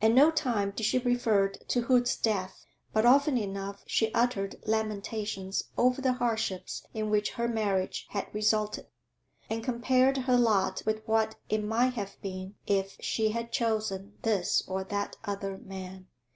At no time did she refer to Hood's death, but often enough she uttered lamentations over the hardships in which her marriage had resulted, and compared her lot with what it might have been if she had chosen this or that other man.